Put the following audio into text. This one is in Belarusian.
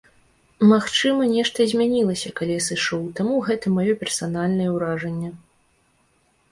Магчыма, нешта змянілася, калі я сышоў, таму гэта маё персанальнае ўражанне.